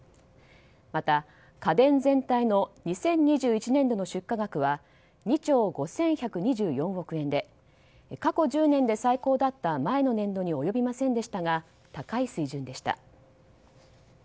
また、家電全体の２０２１年度の出荷額は２兆５１２４億円で過去１０年で最高だった前の年度に及びませんでしたが高い水準でした。